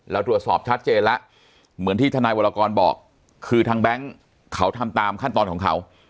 ตรวจสอบชัดเจนแล้วเหมือนที่ทนายวรกรบอกคือทางแบงค์เขาทำตามขั้นตอนของเขา